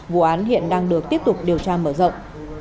vụ án hiện đang được tiếp tục điều tra mở rộng